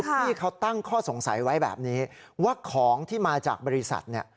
ที่เขาตั้งข้อสงสัยไว้แบบนี้ว่าของที่มาจากบริษัทเนี่ย